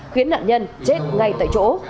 khiến nạn nhân chết ngay tại chỗ